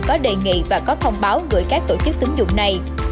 có đề nghị và có thông báo gửi các tổ chức tính dụng này